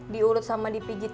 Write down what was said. diulut sama dipigit